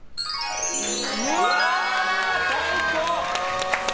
うわー！最高！